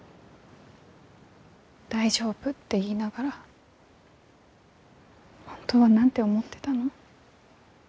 大丈夫って言いながら本当は何て思ってたの？